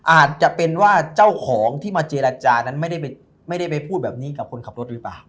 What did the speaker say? อาจจะเป็นว่าเจ้าของที่มาเจรจานั้นไม่ได้ไปพูดแบบนี้กับคนขับรถหรือเปล่า